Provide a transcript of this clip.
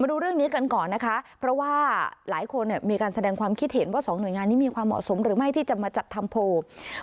ดูเรื่องนี้กันก่อนนะคะเพราะว่าหลายคนมีการแสดงความคิดเห็นว่าสองหน่วยงานนี้มีความเหมาะสมหรือไม่ที่จะมาจัดทำโพล